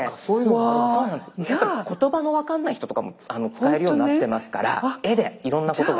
言葉の分かんない人とかも使えるようになってますから絵でいろんなことが。